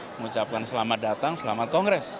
mengucapkan selamat datang selamat kongres